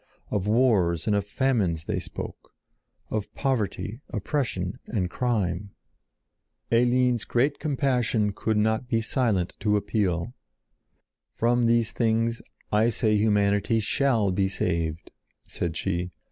Of wars and of famines they spoke, of poverty, oppression, and crime. [Illustration: "GUARD WELL THE TEMPLE"] Eline's great compassion could not be silent to appeal. "From these things, I say Humanity SHALL be saved!" said she.